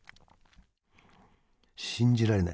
信じられない。